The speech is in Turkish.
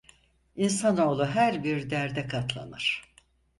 İnsanoğlu her bir derde katlanır.